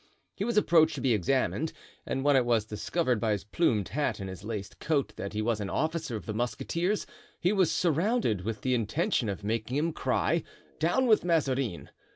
He was approached to be examined, and when it was discovered by his plumed hat and his laced coat, that he was an officer of the musketeers, he was surrounded, with the intention of making him cry, "Down with Mazarin!"